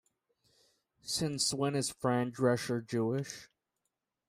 Since When Is Fran Drescher Jewish?